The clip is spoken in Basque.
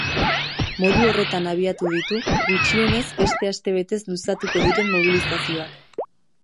Modu horretan abiatu ditu gutxienez beste astebetez luzatuko diren mobilizazioak.